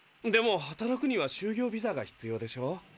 でも働くには就業ビザが必要でしょ？